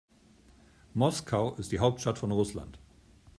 Moskau ist die Hauptstadt von Russland.